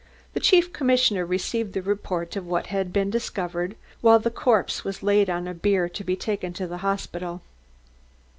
The chief commissioner received the report of what had been discovered, while the corpse was laid on a bier to be taken to the hospital.